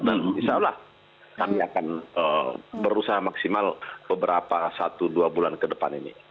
dan insya allah kami akan berusaha maksimal beberapa satu dua bulan ke depan ini